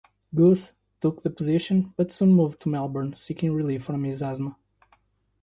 Goethe took the position but soon moved to Melbourne seeking relief from his asthma.